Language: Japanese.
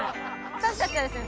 私たちはですね